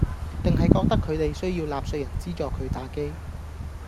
定係覺得佢哋需要納稅人資助佢打機